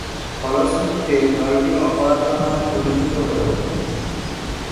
ফলশ্রুতিতে, দলটি ‘অপরাজেয়’ নামে পরিচিত হয়ে উঠে।